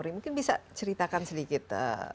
mungkin bisa ceritakan sedikit